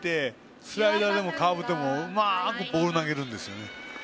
真ん中に投げていてスライダーでもカーブでもうまくボールを投げるんです。